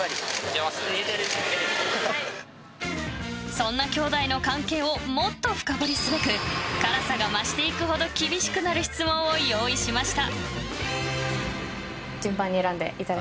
そんな兄妹の関係をもっと深掘りすべく辛さが増していくほど厳しくなる質問を用意しました。